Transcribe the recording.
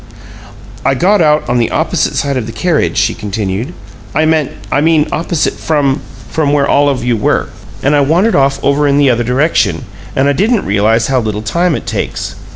"I got out on the opposite side of the carriage," she continued. "I mean opposite from from where all of you were. And I wandered off over in the other direction; and I didn't realize how little time it takes.